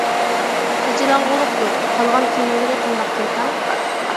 چېچىلاڭغۇلۇق يوق. قالغان كىنولىرى قانداقكىن تاڭ؟ !